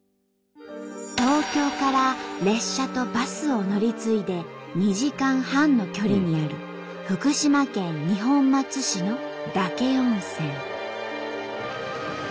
東京から列車とバスを乗り継いで２時間半の距離にある福島県二本松市の岳温泉。